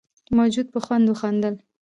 موجود په خوند وخندل.